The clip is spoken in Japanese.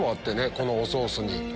このおソースに。